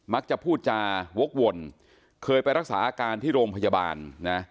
พูดจาวกวนเคยไปรักษาอาการที่โรงพยาบาลนะ